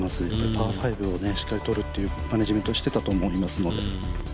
パー５をしっかりとるというマネジメントをしていたと思いますので。